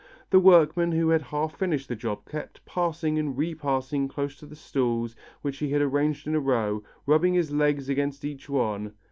The workman who had half finished the job kept passing and repassing close to the stools which he had arranged in a row, rubbing his legs against each one.